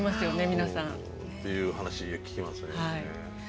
皆さん。っていう話聞きますよね。